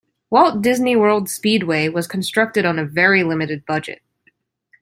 Walt Disney World Speedway was constructed on a very limited budget.